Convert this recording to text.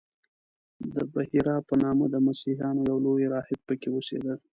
د بحیرا په نامه د مسیحیانو یو لوی راهب په کې اوسېده.